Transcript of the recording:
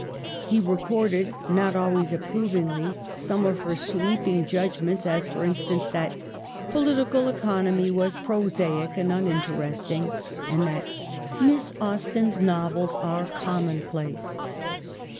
He recorded, not always approvingly, some of her sweeping judgments, as for instance, that " Po litical Economy was prosaic and uninteresting," and that " Miss Austen's novels were common place."